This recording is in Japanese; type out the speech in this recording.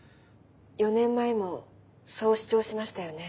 ４年前もそう主張しましたよね？